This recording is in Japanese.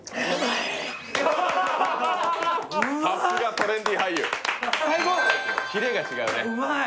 さすがトレンディー俳優キレが違うねうまい！